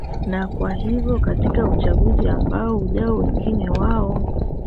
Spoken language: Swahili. na kwa hivyo katika uchaguzi ambao ujao wengi wao